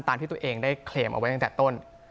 ที่ตัวเองได้เคลมเอาไว้ตั้งแต่ต้น